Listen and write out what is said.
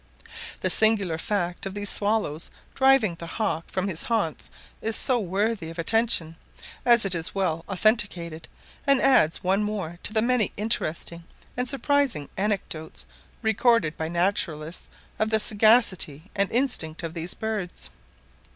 The singular fact of these swallows driving the hawk from his haunts is worthy of attention; as it is well authenticated, and adds one more to the many interesting and surprising anecdotes recorded by naturalists of the sagacity and instinct of these birds.